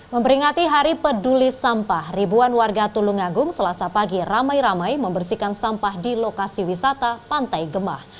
memperingati hari peduli sampah ribuan warga tulungagung selasa pagi ramai ramai membersihkan sampah di lokasi wisata pantai gemah